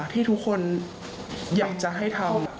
ที่ทุกคนอยากจะให้ทำ